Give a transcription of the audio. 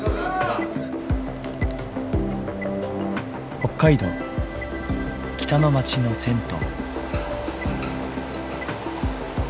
北海道北の街の銭湯。